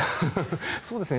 そうですね。